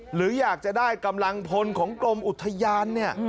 หรืออยากจะได้กำลังพลของกรมอุทยานเนี่ย